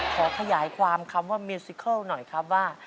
ขอขยายความคำว่าเมซิเคิลหน่อยครับว่า